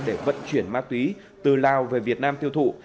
để vận chuyển ma túy từ lào về việt nam tiêu thụ